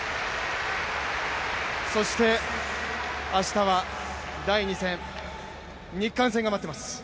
明日は第２戦、日韓戦が待っています。